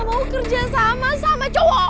gue gak mau kerja sama sama cowok cowok